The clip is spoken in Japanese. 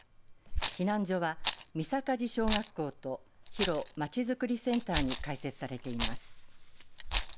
避難所は三坂地小学校と広まちづくりセンターに開設されています。